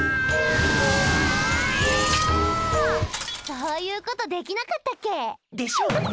そういう事できなかったっけ。でしょうね。